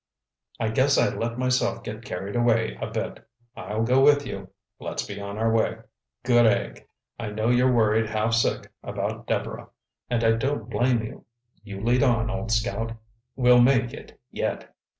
"I guess I let myself get carried away a bit. I'll go with you. Let's be on our way." "Good egg. I know you're worried half sick about Deborah, and I don't blame you. You lead on, old scout. We'll make it, yet!"